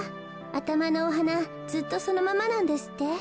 あたまのおはなずっとそのままなんですって？